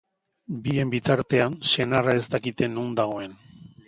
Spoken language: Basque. Bien bitartean, senarra ez dakite non dagoen.